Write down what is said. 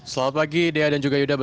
selamat pagi dea dan juga yuda